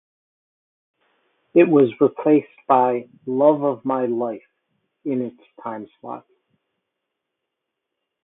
It was replaced by "Love of My Life" in its timeslot.